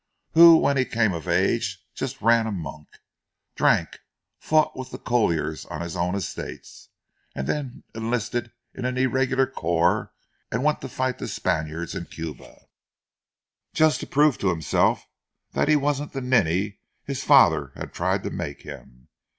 who when he came of age just ran amok, drank, fought with the colliers on his own estate, and then enlisted in an irregular corps and went to fight the Spaniards in Cuba, just to prove to himself that he wasn't the ninny his father had tried to make him.